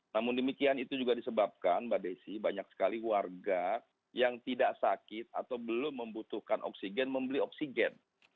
namun demikian itu juga disebabkan mbak desi banyak sekali warga yang tidak sakit atau belum membutuhkan oksigen membeli oksigen